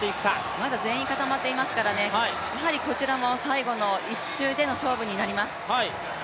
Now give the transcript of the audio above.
まだ全員固まっていますから、やはりこちらも最後の１周での勝負になります。